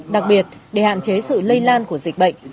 đặc biệt để hạn chế sự lây lan của dịch bệnh